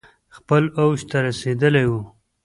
خپل اوج ته رسیدلي ؤ